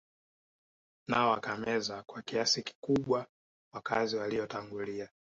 Nao wakameza kwa kiasi kikubwa wakazi waliotangulia